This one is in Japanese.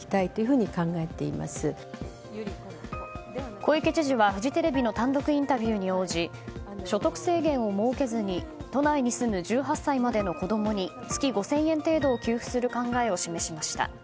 小池知事はフジテレビの単独インタビューに応じ所得制限を設けずに都内に住む１８歳までの子供に月５０００円程度を給付する考えを示しました。